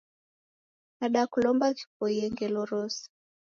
Nadakulombia ghipoie ngelo rose